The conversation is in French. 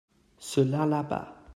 ceux-là là-bas.